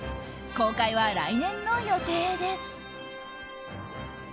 公開は来年の予定です。